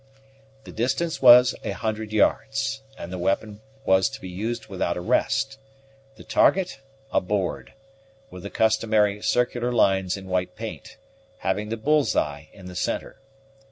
The distance was a hundred yards, and the weapon was to be used without a rest; the target, a board, with the customary circular lines in white paint, having the bull's eye in the centre.